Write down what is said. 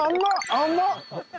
甘っ！